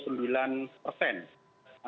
artinya ini sudah harus warning gitu ya